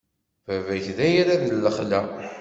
Baba-k d ayrad n lexla.